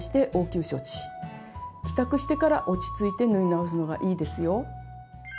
帰宅してから落ち着いて縫い直すのがいいですよ。